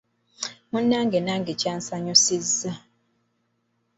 Munnange nange kyansanyusizza.